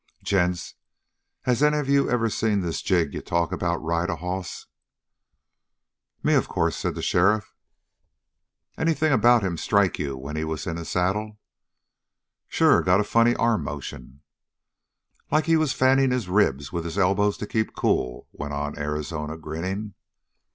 "Gents, has any of you ever seen this Jig you talk about ride a hoss?" "Me, of course," said the sheriff. "Anything about him strike you when he was in a saddle?" "Sure! Got a funny arm motion." "Like he was fanning his ribs with his elbows to keep cool?" went on Arizona, grinning.